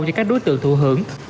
cho các đối tượng thụ hưởng